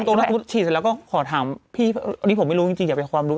สมมุติฉีดเสร็จแล้วก็ขอถามพี่อันนี้ผมไม่รู้จริงอยากเป็นความรู้